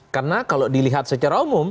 karena kalau dilihat secara umum